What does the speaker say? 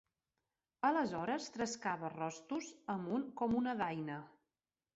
Aleshores trescava rostos amunt com una daina